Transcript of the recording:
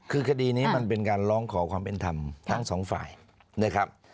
คือคดีนี้มันเป็นการร้องขอความเป็นธรรมทั้งสองฝ่ายนะครับ